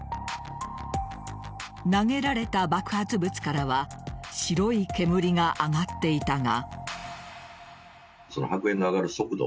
投げられた爆発物からは白い煙が上がっていたが。